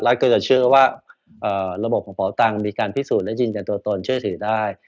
ก็จะเชื่อว่าระบบของเป๋าตังค์มีการพิสูจน์และยืนยันตัวตนเชื่อถือได้